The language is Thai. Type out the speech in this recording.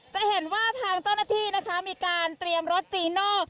จะเห็นว่าทางเจ้าหน้าที่นะคะมีการเตรียมรถจีโน่